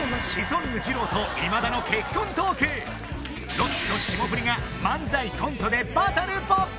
ロッチと霜降りが漫才コントでバトル勃発